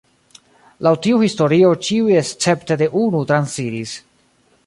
Laŭ tiu historio ĉiuj escepte de unu transiris.